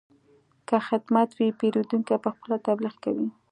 که خدمت ښه وي، پیرودونکی پخپله تبلیغ کوي.